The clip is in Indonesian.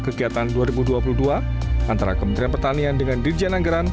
kegiatan dua ribu dua puluh dua antara kementerian pertanian dengan dirjen anggaran